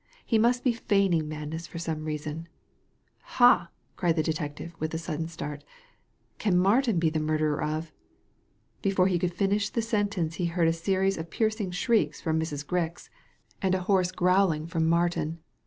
He must be feigning madness for some reason. Ha I " cried the detective with a sudden start, ''can Martin be the murderer of " Before he could finish the sentence he heard a series of piercing shrieks from Mrs. Grix, and a Digitized by Google 212 THE LADY FROM NOWHERE hoarse growling from Martin.